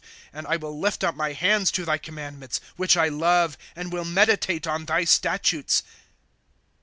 ^ And I will lift up my hands to thy commandments, Which I love, And will meditate on thy statutes.